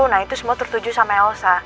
nah itu semua tertuju sama elsa